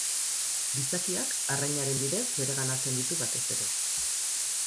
Gizakiak arrainaren bidez bereganatzen ditu batez ere.